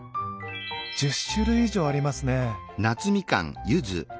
１０種類以上ありますね。